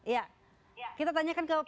ya kita tanyakan ke